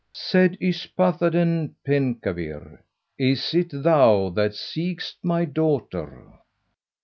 Said Yspathaden Penkawr, "Is it thou that seekest my daughter?"